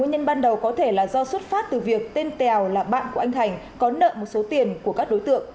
hậu có thể là do xuất phát từ việc tên tèo là bạn của anh thành có nợ một số tiền của các đối tượng